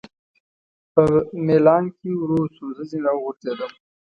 په مېلان کې ورو شو، زه ځنې را وغورځېدم.